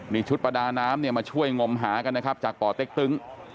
มีชุดประดาน้ำเนี่ยมาช่วยงมหากันนะครับจากป่อเต็กตึง